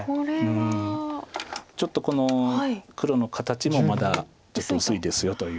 ちょっとこの黒の形もまだちょっと薄いですよという。